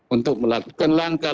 untuk melakukan langkah langkahnya